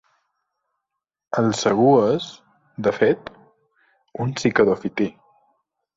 El sagú és, de fet, un cicadofití.